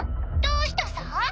どうしたさ？